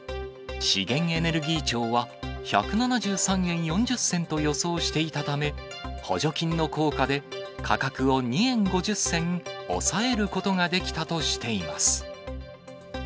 資源エネルギー庁は、１７３円４０銭と予想していたため、補助金の効果で、価格を２円５０銭抑えることができたとしています。